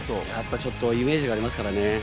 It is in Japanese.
ちょっとイメージがありますからね。